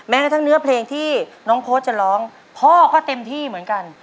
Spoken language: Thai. กระทั่งเนื้อเพลงที่น้องโพสต์จะร้องพ่อก็เต็มที่เหมือนกัน